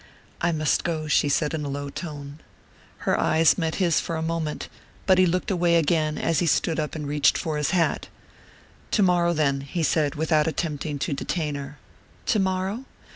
"I must go," she said in a low tone. Her eyes met his for a moment; but he looked away again as he stood up and reached for his hat. "Tomorrow, then " he said, without attempting to detain her. "Tomorrow?"